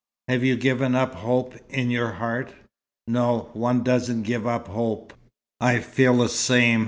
"Have you given up hope, in your heart?" "No. One doesn't give up hope." "I feel the same.